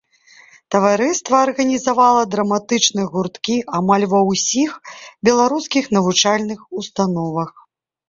Таварыства арганізавала драматычныя гурткі амаль ва ўсіх беларускіх навучальных установах.